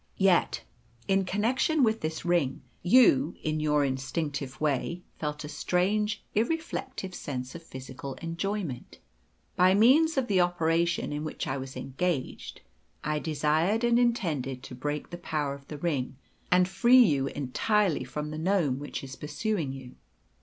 Yet, in connection with this ring, you in your instinctive way felt a strange irreflective sense of physical enjoyment. By means of the operation in which I was engaged, I desired and intended to break the power of the ring, and free you entirely from the gnome which is pursuing you.